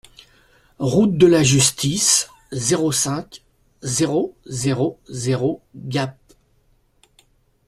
Route de la Justice, zéro cinq, zéro zéro zéro Gap